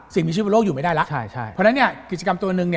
สิ่งมีชีวิตบนโรคอยู่ไม่ได้ล่ะพอแน่นี่กิจกรรมตัวนึง